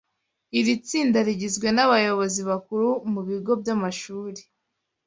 Iri tsinda rigizwe n'abayobozi bakuru mu bigo by'amashuri